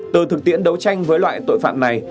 từ thực tiễn đấu tranh với loại tội phạm này